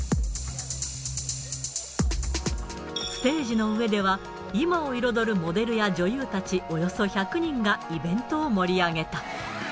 ステージの上では、今を彩るモデルや女優たちおよそ１００人がイベントを盛り上げた。